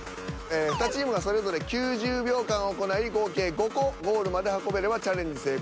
２チームがそれぞれ９０秒間行い合計５個ゴールまで運べればチャレンジ成功。